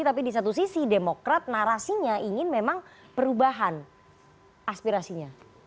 tapi di satu sisi demokrat narasinya ingin memang perubahan aspirasinya